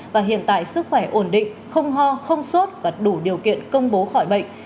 và hiện tại sức khỏe ổn định không ho không sốt và đủ điều kiện công bố khỏi bệnh